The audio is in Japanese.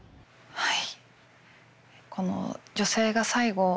はい。